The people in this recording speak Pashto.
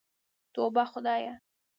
توبه خدايه.